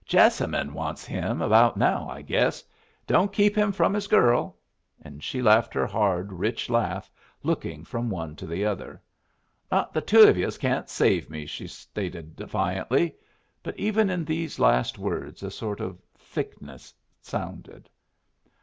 "Jessamine wants him about now, I guess. Don't keep him from his girl!" And she laughed her hard, rich laugh, looking from one to the other. "Not the two of yus can't save me," she stated, defiantly. But even in these last words a sort of thickness sounded.